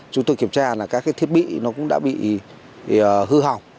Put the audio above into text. chúng tôi kiểm tra là các thiết bị nó cũng đã bị hư hỏng